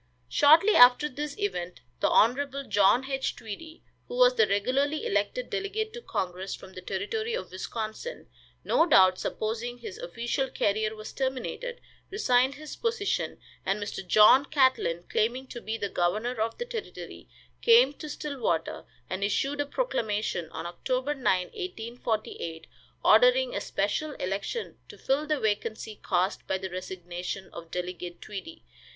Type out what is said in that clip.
Shortly after this event the Hon. John H. Tweedy, who was the regularly elected delegate to congress from the Territory of Wisconsin, no doubt supposing his official career was terminated, resigned his position, and Mr. John Catlin, claiming to be the governor of the territory, came to Stillwater, and issued a proclamation on Oct. 9, 1848, ordering a special election to fill the vacancy caused by the resignation of Delegate Tweedy.